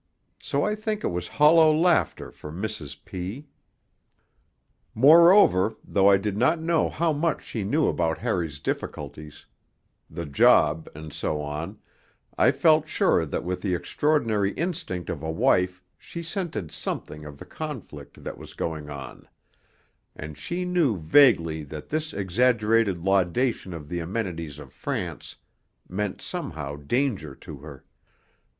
So I think it was hollow laughter for Mrs. P.... Moreover, though I did not know how much she knew about Harry's difficulties, the 'job' and so one, I felt sure that with the extraordinary instinct of a wife she scented something of the conflict that was going on; and she knew vaguely that this exaggerated laudation of the amenities of France meant somehow danger to her....